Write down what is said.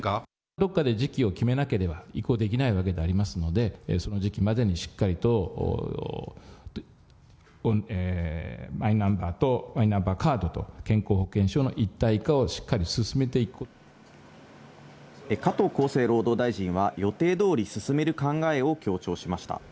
どこかで時期を決めなければ移行できないわけでありますので、その時期までにしっかりと、マイナンバーとマイナンバーカードと健康保険証の一体化をしっか加藤厚生労働大臣は、予定どおり進める考えを強調しました。